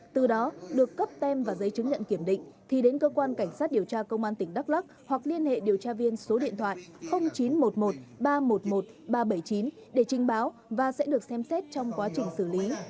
từ đó được cấp tem và giấy chứng nhận kiểm định thì đến cơ quan cảnh sát điều tra công an tỉnh đắk lắc hoặc liên hệ điều tra viên số điện thoại chín trăm một mươi một ba trăm một mươi một ba trăm bảy mươi chín để trình báo và sẽ được xem xét trong quá trình xử lý